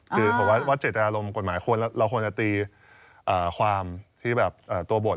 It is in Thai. คือผมว่าเจตนารมณ์กฎหมายเราควรจะตีความที่แบบตัวบท